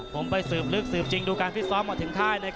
ผมไปสืบลึกสืบจริงดูการฟิตซ้อมมาถึงค่าย